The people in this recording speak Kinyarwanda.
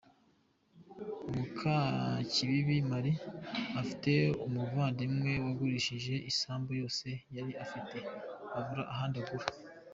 Mukakibibi Marie, afite umuvandimwe wagurishije isambu yose yari afite, abura ahandi agura.